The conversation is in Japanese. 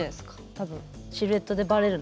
多分シルエットでバレるなとか。